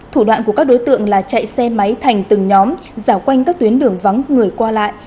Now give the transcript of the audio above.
thủ đoạn của các đối tượng là chạy xe máy thành từng nhóm dạo quanh các tuyến đường vắng người qua lại